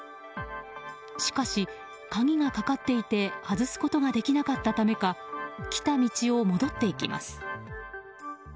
しかし鍵がかかっていて外すことができなかったためか来た道を戻っていきます。